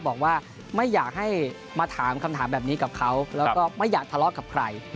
บอกว่าไม่อยากให้มาถามคำถามแบบนี้กับเขาแล้วก็ไม่อยากทะเลาะกับใคร